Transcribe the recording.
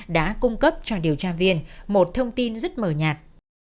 đã cung cấp cho điều tra viên một thông tin rất mờ nhạt